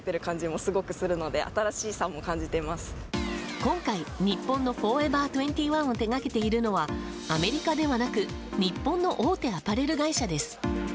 今回日本のフォーエバー２１を手掛けているのはアメリカではなく日本の大手アパレル会社です。